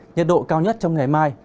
nhật độ cao nhất trong ngày mai